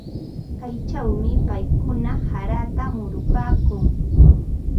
Kaychawmi paykuna harata murupaakun.